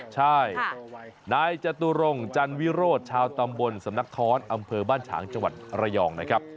ใช่นายจตุรงจันวิโรธชาวตำบลสำนักท้อนอำเภอบ้านฉางจังหวัดระยองนะครับ